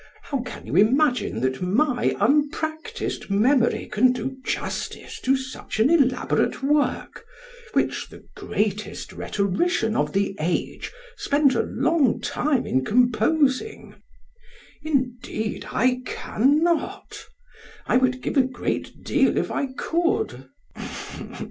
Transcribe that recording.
How can you imagine that my unpractised memory can do justice to an elaborate work, which the greatest rhetorician of the age spent a long time in composing. Indeed, I cannot; I would give a great deal if I could.